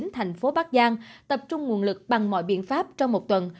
tp bắc giang tập trung nguồn lực bằng mọi biện pháp trong một tuần